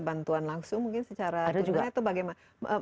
bantuan langsung mungkin secara tunai atau bagaimana